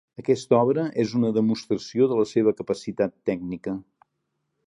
Aquesta obra és una demostració de la seva capacitat tècnica.